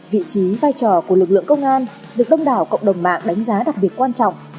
vị trí vai trò của lực lượng công an được đông đảo cộng đồng mạng đánh giá đặc biệt quan trọng